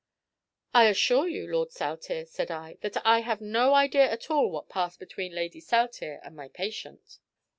"I assure you, Lord Saltire," said I, "that I have no idea at all what passed between Lady Saltire and my patient."